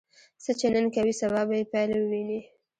څه چې نن کوې، سبا به یې پایله ووینې.